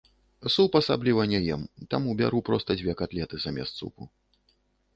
Суп асабліва не ем, таму бяру проста дзве катлеты замест супу.